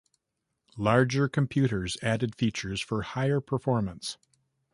Larger computers added features for higher performance.